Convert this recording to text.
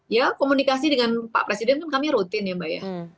ya komunikasi dengan pak presiden itu kami rutin ya mbak ya